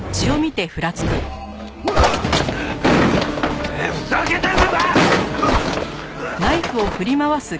てめえふざけてんのか！